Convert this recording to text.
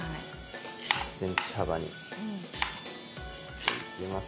１ｃｍ幅に切ります。